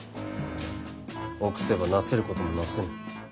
臆せばなせることもなせぬ。